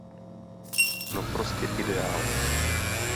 No prostě ideál.